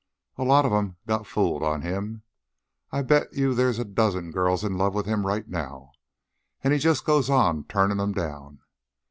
A lot of 'em's got fooled on him. I bet you there's a dozen girls in love with him right now. An' he just goes on turnin' 'em down.